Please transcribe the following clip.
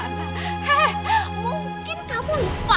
hei mungkin kamu lupa